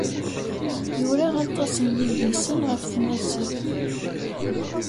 Yura aṭas n yedlisen ɣef tmaziɣt.